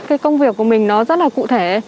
cái công việc của mình nó rất là cụ thể